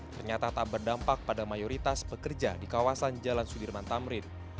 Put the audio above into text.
ternyata tak berdampak pada mayoritas pekerja di kawasan jalan sudirman tamrin